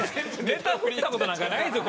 ネタ振りにいく事なんかないですよ